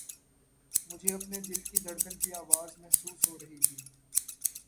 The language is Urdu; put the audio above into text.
مجھے اپنے دل کی دھڑکن کی آواز محسوس ہو رہی تھی